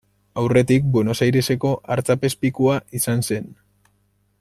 Aurretik Buenos Airesko artzapezpikua izan zen.